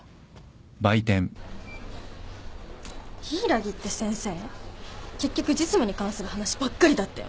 柊木って先生結局実務に関する話ばっかりだったよね。